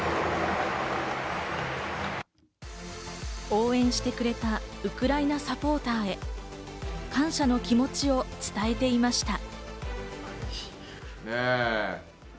応援してくれたウクライナサポーターへ感謝の気持ちを伝えていました。